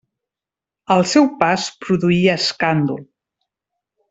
El seu pas produïa escàndol.